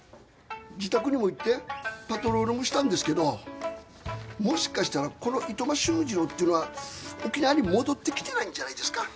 自宅にも行ってパトロールもしたんですけどもしかしたらこの糸間修二郎っていうのは沖縄に戻ってきてないんじゃないですか？